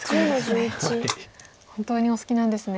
本当にお好きなんですね。